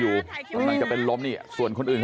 แล้วป้าไปติดหัวมันเมื่อกี้แล้วป้าไปติดหัวมันเมื่อกี้